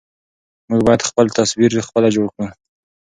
موږ بايد خپل تصوير خپله جوړ کړو.